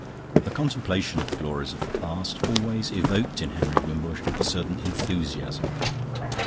The contemplation of the glories of the past always evoked in Henry Wimbush a certain enthusiasm.